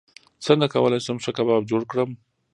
څنګه کولی شم ښه کباب جوړ کړم